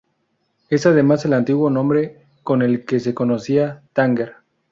Es además el antiguo nombre con el que se conocía Tánger.